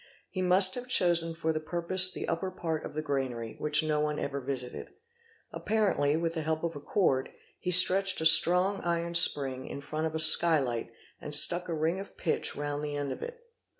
He must have chosen for the purpose the upper part of the granary which no one ever visited. Apparently, with the help of a cord, he stretched a strong iron spring in front of a sky light and stuck a ring of pitch round the end of it.